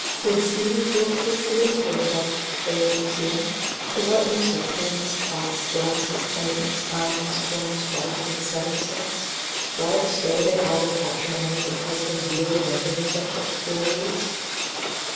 Quid sibi vult pixidum turba, saith Lucian, to what use are pins, pots, glasses, ointments, irons, combs, bodkins, setting sticks? why bestow they all their patrimonies and husbands' yearly revenues on such fooleries?